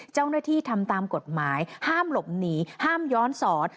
เจ้าหน้าที่ทำตามกฎหมายห้ามหลบหนีห้ามย้อนสอน